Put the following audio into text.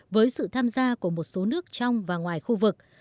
với sự tham gia của một số nước trong và ngoài khu vực